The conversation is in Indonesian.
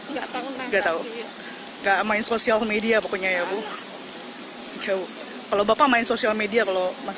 enggak tahu enggak tahu enggak main sosial media pokoknya ya bu show kalau bapak main sosial media kalau mas